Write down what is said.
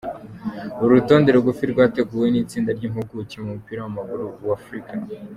Uru rutonde rugufi rwateguwe n'itsinda ry'impuguke mu mupira w'amaguru w'Afurika.